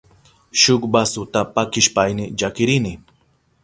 Shuk basuta pakishpayni llakirini.